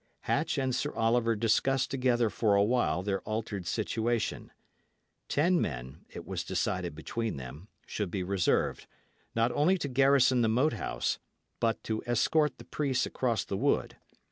Hatch and Sir Oliver discussed together for a while their altered situation; ten men, it was decided between them, should be reserved, not only to garrison the Moat House, but to escort the priest across the wood.